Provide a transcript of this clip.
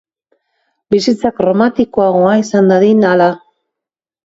Bizitza kromatikoagoa izan dadin hala.